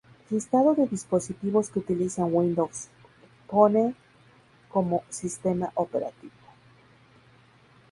Listado de dispositivos que utilizan Windows Phone como sistema operativo.